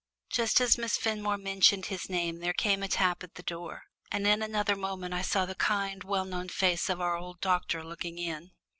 Just as Miss Fenmore mentioned his name there came a tap at the door, and in another moment I saw the kind well known face of our old doctor looking in.